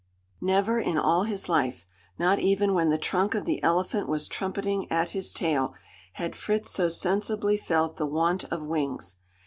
Never in all his life not even when the trunk of the elephant was trumpeting at his tail had Fritz so sensibly felt the want of wings.